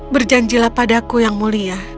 berjanjilah padaku yang mulia